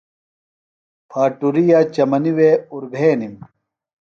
پھاٹُرِیا چمنی وے اُربھینِم۔